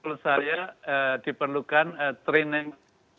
menurut saya diperlukan training